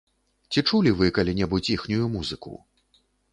Ці чулі вы калі-небудзь іхнюю музыку?